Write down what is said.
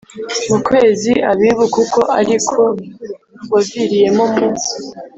mu kwezi Abibu kuko ari ko waviriyemo mu